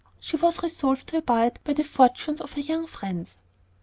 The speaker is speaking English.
She was resolved to abide by the fortunes of her "young friends."